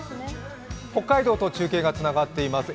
北海道と中継がつながっています。